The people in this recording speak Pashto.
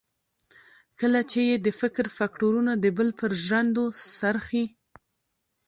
کله چې یې د فکر فکټورنه د بل پر ژرندو څرخي.